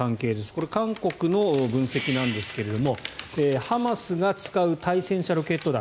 これは韓国の分析ですがハマスが使う対戦車ロケット弾